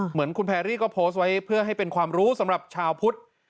เหมือนคุณแพรรี่ก็โพสต์ไว้เพื่อให้เป็นความรู้สำหรับชาวพุทธ